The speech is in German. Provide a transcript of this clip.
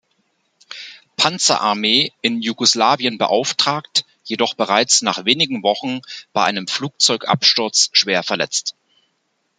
Panzerarmee in Jugoslawien beauftragt, jedoch bereits nach wenigen Wochen bei einem Flugzeugabsturz schwer verletzt.